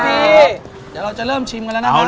เดี๋ยวเราจะเริ่มชิมกันแล้วนะครับ